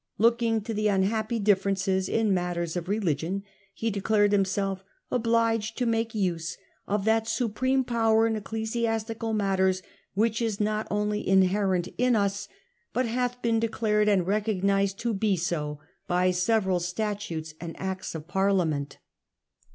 Looking to the 4 unhappy differences claims the in matters of religion,' he declared himself power. Smg * obliged to make use of that supreme power in ecclesiastical matters which is not only inherent in Us, but hath been declared and recognised to be so by several statutes and Acts of Parliament.